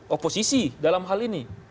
oposisi dalam hal ini